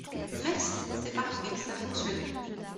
Merci, c’est parfait, ça fonctionne.